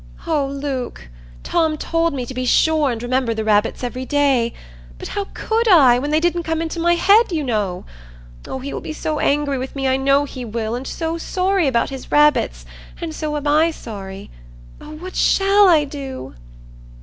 "Oh, Luke, Tom told me to be sure and remember the rabbits every day; but how could I, when they didn't come into my head, you know? Oh, he will be so angry with me, I know he will, and so sorry about his rabbits, and so am I sorry. Oh, what shall I do?"